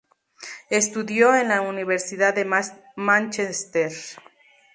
Estudió en la Universidad de Mánchester.